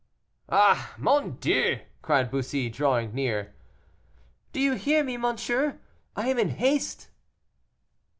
"Ah, mon Dieu!" cried Bussy, drawing near. "Do you hear me, monsieur? I am in haste."